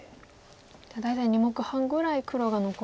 じゃあ大体２目半ぐらい黒が残る差。